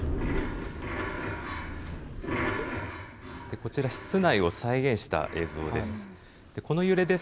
こちら、室内を再現した映像です。